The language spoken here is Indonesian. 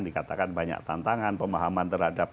dikatakan banyak tantangan pemahaman terhadap